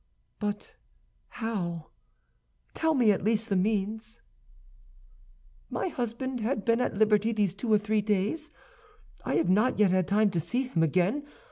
"But how? Tell me at least the means." "My husband had been at liberty these two or three days. I have not yet had time to see him again.